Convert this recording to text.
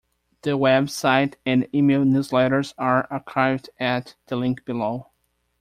The web site and email newsletters are archived at the link below.